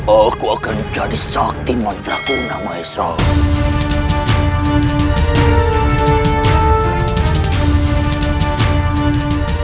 aku akan jadi sakti mentah kuna maisal